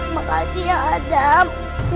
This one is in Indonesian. makasih ya adam